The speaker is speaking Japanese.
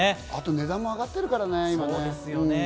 値段も今、上がってるからね。